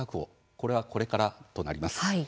これはこれからとなります。